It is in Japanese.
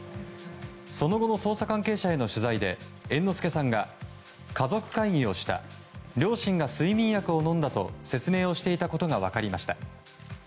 その後の捜査関係者への取材で猿之助さんが家族会議をした両親が睡眠薬を飲んだと説明をしていたことが分かりました。